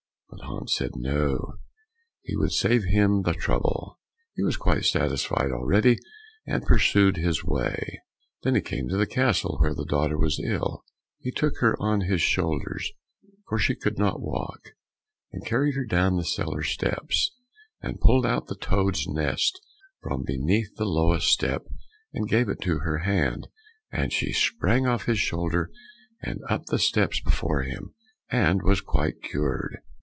But Hans said no, he would save him the trouble, he was quite satisfied already, and pursued his way. Then he came to the castle where the daughter was ill; he took her on his shoulders, for she could not walk, and carried her down the cellar steps and pulled out the toad's nest from beneath the lowest step and gave it into her hand, and she sprang off his shoulder and up the steps before him, and was quite cured.